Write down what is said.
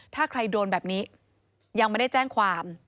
ถ้าใครโดนแบบนี้ยังไม่ได้แจ้งความ